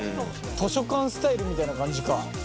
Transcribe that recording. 図書館スタイルみたいな感じか。